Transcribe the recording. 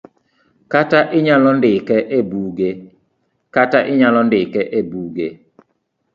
kata inyalo ndike e buge